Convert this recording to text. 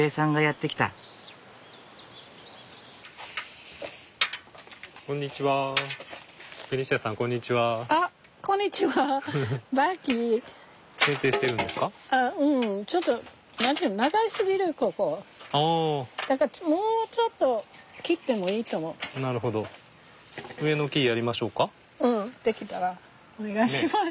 できたらお願いします。